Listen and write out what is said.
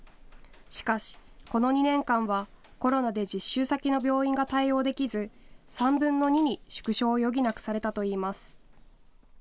しかし、この２年間はコロナで実習先の病院が対応できず３分の２に縮小を余儀なくされたといいます。